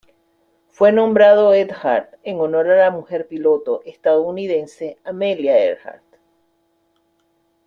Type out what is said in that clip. Fue nombrado Earhart en honor a la mujer piloto estadounidense Amelia Earhart.